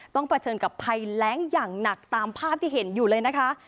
เผชิญกับภัยแรงอย่างหนักตามภาพที่เห็นอยู่เลยนะคะ